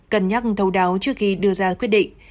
cân nhắc thấu đáo trước khi đưa ra quyết định